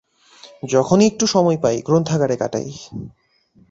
যখনই একটু সময় পাই গ্রন্থাগারে কাটাই।